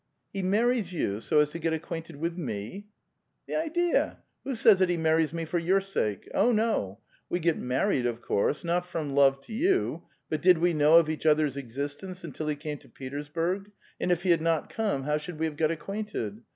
" He marries you so as to get acquainted with me !"" The idea ! who says that be marries me for yoor sake? Oh, no ! we get manicd, of course, not from love to you. But did we know of each other's existence until he came to retei*sburg, and if he had not come, how should we have got acquainted?